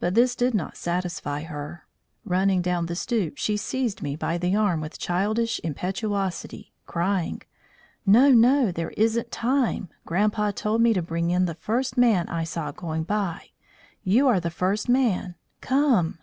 But this did not satisfy her. Running down the stoop, she seized me by the arm with childish impetuosity, crying: "No, no. There isn't time. Grandpa told me to bring in the first man I saw going by. You are the first man. Come!"